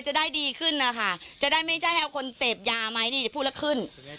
จะได้ดีขึ้นนะคะจะได้ไม่ได้ให้เอาคนเสพยาไหมนี่จะพูดแล้วขึ้น